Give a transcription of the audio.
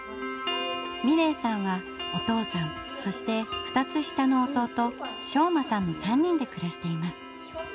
美礼さんはお父さんそして２つ下の弟将真さんの３人で暮らしています。